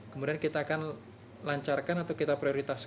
kemudian kita akan lancarkan atau kita prioritaskan